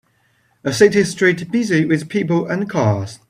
A city street busy with people and cars.